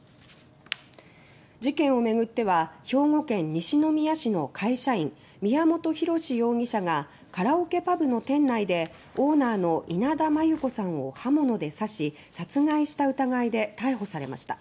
事件を巡っては兵庫県西宮市の会社員宮本浩志容疑者がカラオケパブの店内でオーナーの稲田真優子さんを刃物で刺し殺害した疑いで逮捕されました。